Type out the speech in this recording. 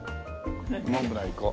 モンブランいこう。